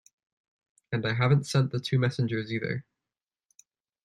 And I haven’t sent the two messengers, either.